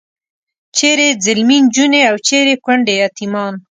چیرې ځلمي نجونې او چیرې کونډې یتیمان.